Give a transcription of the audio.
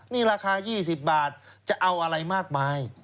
นี่ราคา๒๐บาทจะเอาอะไรมากมาย